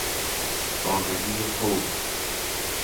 آگهی فوت